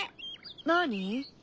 なに？